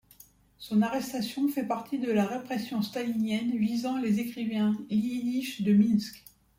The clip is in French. Son arrestation fait partie de la répression stalinienne visant les écrivains yiddish de Minsk.